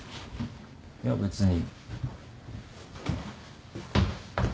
いや別に。